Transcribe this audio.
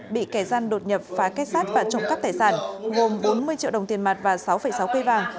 bị kẻ gian đột nhập phá kết sát và trộm cắp tài sản gồm bốn mươi triệu đồng tiền mặt và sáu sáu cây vàng